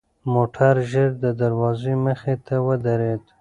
موټر ژر د دروازې مخې ته ودرېد.